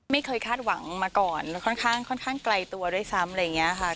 ไม่เคยคาดหวังมาก่อนและค่อนข้างไกลตัวด้วยซ้ำ